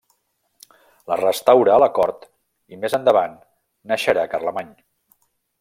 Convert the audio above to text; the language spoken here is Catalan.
La restaura a la cort i, més endavant, naixerà Carlemany.